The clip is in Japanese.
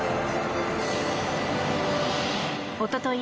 おととい